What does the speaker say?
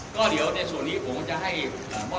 ก็เดี๋ยวในส่วนนี้ผมจะให้มอบ